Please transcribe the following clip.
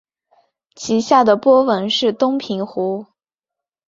其下的波纹是东平湖。